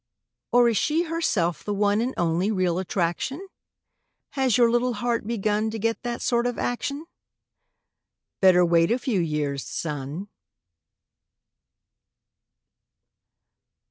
Or is she herself the one And only real attraction? Has your little heart begun To get that sort of action? Better wait a few years, son.